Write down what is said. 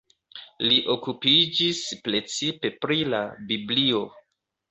Li okupiĝis precipe pri la Biblio.